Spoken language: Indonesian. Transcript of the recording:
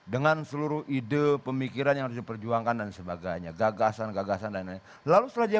dengan seluruh ide pemikiran yang diperjuangkan dan sebagainya gagasan gagasan dan lalu selesai